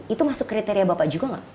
itu masuk kriteria bapak juga nggak